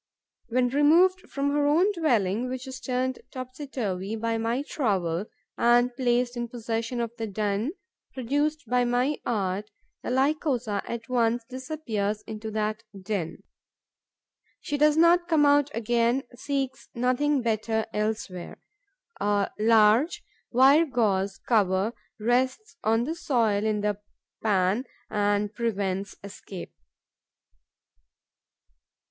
When removed from her own dwelling, which is turned topsy turvy by my trowel, and placed in possession of the den produced by my art, the Lycosa at once disappears into that den. She does not come out again, seeks nothing better elsewhere. A large wire gauze cover rests on the soil in the pan and prevents escape.